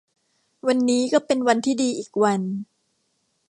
วันนี้ก็เป็นวันที่ดีอีกวัน